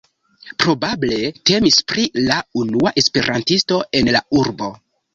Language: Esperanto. Probable temis pri la unua esperantisto en la urbo.